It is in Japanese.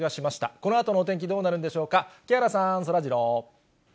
このあとのお天気どうなるんでしょうか、木原さん、そらジロー。